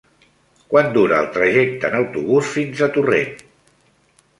Quant dura el trajecte en autobús fins a Torrent?